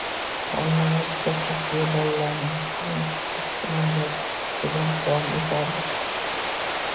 Olmalari juda ko`p, deya bolalarcha entikish bilan gapida davom etardi